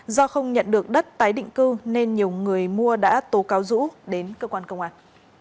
do không nhận được đất tái định cư nên nhiều người mua đã tố cáo dũ đến cơ quan công an